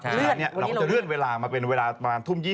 ฉะนั้นเราก็จะเลื่อนเวลามาเป็นเวลาประมาณทุ่ม๒๐